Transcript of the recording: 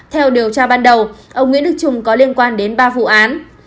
theo điều tra ban đầu ông nguyễn đức trung có liên quan đến ba vụ án